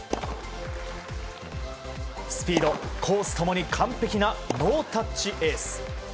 スピード、コース共に完璧なノータッチエース。